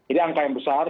jadi angka yang besar